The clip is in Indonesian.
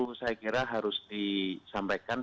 kira kira harus disampaikan